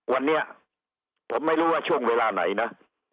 วันนี้ผมไม่รู้ว่าช่วงเวลาไหนนะ